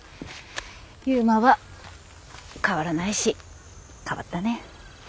悠磨は変わらないし変わったね。